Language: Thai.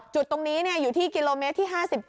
จุดตรงนี้อยู่ที่กิโลเมตรที่๕๗